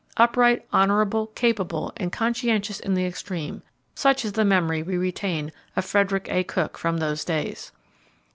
Upright, honourable, capable, and conscientious in the extreme such is the memory we retain of Frederick A. Cook from those days.